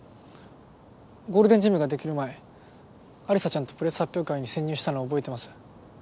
ゴールデンジムができる前有沙ちゃんとプレス発表会に潜入したの覚えてます？